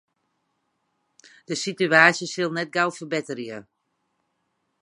De sitewaasje sil net gau ferbetterje.